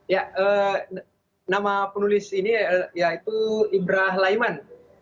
ya nama penulis ini yaitu ibrah laiman